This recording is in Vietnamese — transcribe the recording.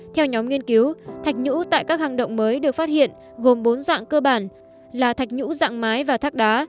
theo nhóm nghiên cứu thạch nhũ tại các hang động mới được phát hiện gồm bốn dạng cơ bản là thạch nhũ dạng mái và thác đá